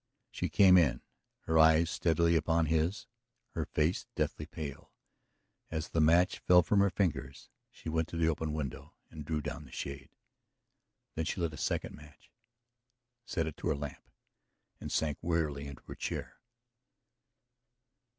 She came in, her eyes steadily upon his, her face deathly pale. As the match fell from her fingers she went to the open window and drew down the shade. Then she lit a second match, set it to her lamp, and sank wearily into her chair.